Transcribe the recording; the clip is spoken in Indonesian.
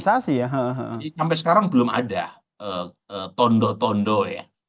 sampai sekarang belum ada tondo tondo ya